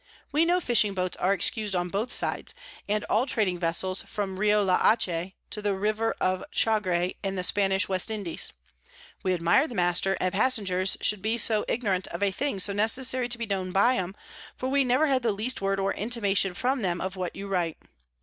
We know Fishing Boats are excus'd on both sides, and all trading Vessels from Rio la Hache to the River of Chagre in the Spanish West Indies. We admire the Master and Passengers should be so ignorant of a thing so necessary to be known by 'em, for we never had the least word or intimation from them of what you write.